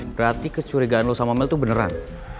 berarti kecurigaan lo sama mel itu beneran